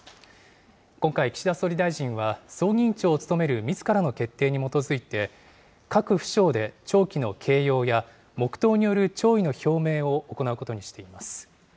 今回、岸田総理大臣は、葬儀委員長を務めるみずからの決定に基づいて、各府省で弔旗の掲揚や、黙とうによる弔意の表明を行うことにしています。